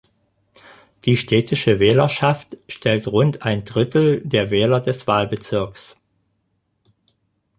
Die städtische Wählerschaft stellt rund ein Drittel der Wähler des Wahlbezirks.